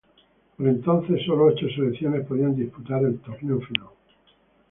Por entonces, solo ocho selecciones podían disputar el torneo final.